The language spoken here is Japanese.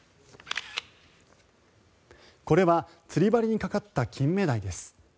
これは釣り針にかかったキンメダイです。